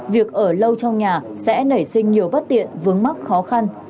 việc ở lâu trong nhà sẽ nảy sinh nhiều bất tiện vướng mắc khó khăn